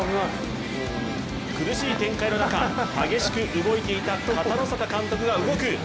苦しい展開の中激しく動いていた片野坂監督が動く。